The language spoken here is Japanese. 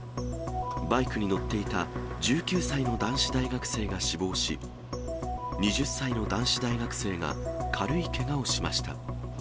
バイクに乗っていた１９歳の男子大学生が死亡し、２０歳の男子大学生が軽いけがをしました。